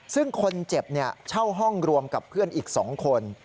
ซึ่งคนเจ็บเช่าห้องรวมกับเพื่อนอีก๒คน